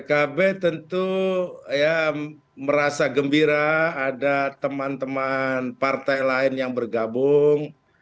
pkb tentu merasa gembira ada teman teman partai lain yang bergabung